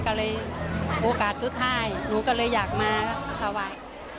ก็เลยโอกาสสุดท้ายหนูก็เลยอยากมาถวาย